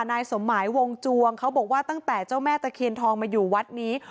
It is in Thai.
นายสมหมายวงจวงเขาบอกว่าตั้งแต่เจ้าแม่ตะเคียนทองมาอยู่วัดนี้